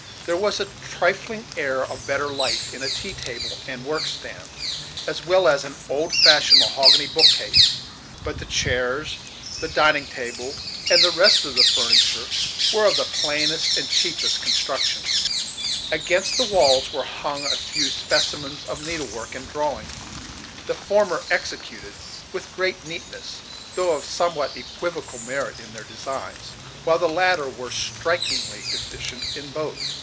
There was a trifling air of better life in a tea table and work stand, as well as in an old fashioned mahogany bookcase; but the chairs, the dining table, and the rest of the furniture were of the plainest and cheapest construction, Against the walls were hung a few specimens of needle work and drawing, the former executed with great neatness, though of somewhat equivocal merit in their designs, while the latter were strikingly deficient in both.